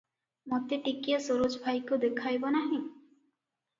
ମତେ ଟିକିଏ ସରୋଜ ଭାଇକୁ ଦେଖାଇବ ନାହିଁ?"